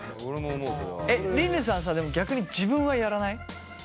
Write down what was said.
えっりぬさんさでも逆に自分はやらない？